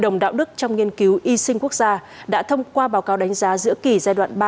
nước trong nghiên cứu y sinh quốc gia đã thông qua báo cáo đánh giá giữa kỳ giai đoạn ba